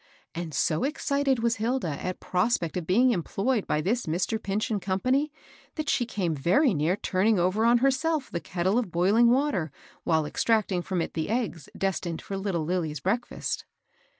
And so excited was Hilda at prospect of beax^ ^as^^ ^^^s^ 294 MABEL BOSS. this Mr. Pinch and Company, that she came very near turning over on herself the kettle of boiling water while extracting from it the eggs destined for little Lilly's break&st.